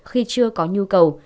khi chưa có nhu cầu